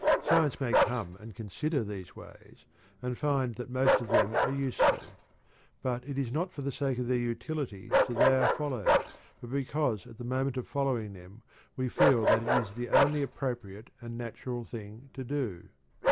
Science may come and consider these ways, and find that most of them are useful. But it is not for the sake of their utility that they are followed, but because at the moment of following them we feel that it is the only appropriate and natural thing to do.